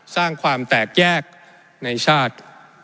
สร้างความแตกแยกในชาติ